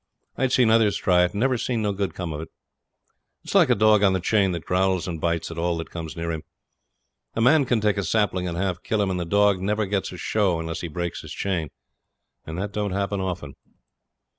I'd seen others try it, and never seen no good come of it. It's like a dog on the chain that growls and bites at all that comes near him. A man can take a sapling and half kill him, and the dog never gets a show unless he breaks his chain, and that don't happen often.